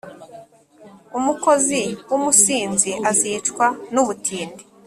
Umukozi w’umusinzi azicwa n’ubutindi,